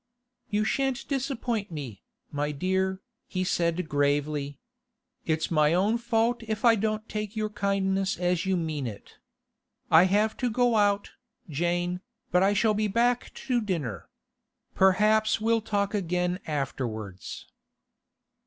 'You shan't disappoint me, my dear,' he said gravely. 'It's my own fault if I don't take your kindness as you mean it. I have to go out, Jane, but I shall be back to dinner. Perhaps we'll talk again afterwards.